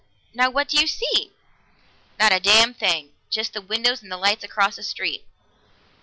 Now what do you see?" "Not a damn' thing. Just the windows and the lights across the street."